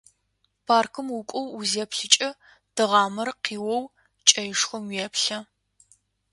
Паркым укӏоу узеплъыкӏэ, тыгъамэр къиоу кӏэишхом уеплъэ.